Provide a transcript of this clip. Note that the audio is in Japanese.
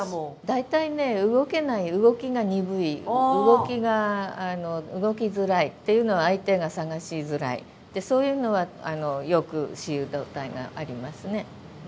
大体ね動けない動きが鈍い動きづらいっていうのは相手が探しづらいそういうのはよく雌雄同体がありますね。